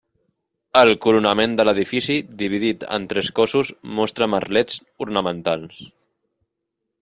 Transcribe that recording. El coronament de l'edifici, dividit en tres cossos, mostra merlets ornamentals.